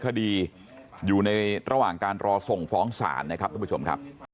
คดีอยู่ในระหว่างการรอส่งฟ้องศาลนะครับทุกผู้ชมครับ